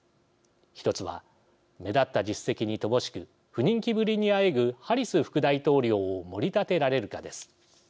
１つは、目立った実績に乏しく不人気ぶりにあえぐハリス副大統領をもり立てられるかです。